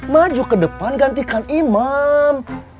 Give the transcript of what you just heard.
maju ke depan gantikan imam